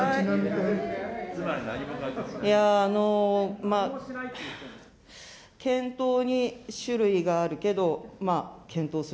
いやー、検討に種類があるけど、検討する。